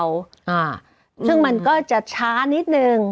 ซึ่งมันก็จะช้านิดนึง